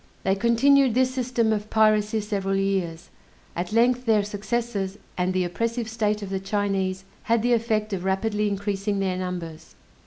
They continued this system of piracy several years; at length their successes, and the oppressive state of the Chinese, had the effect of rapidly increasing their numbers.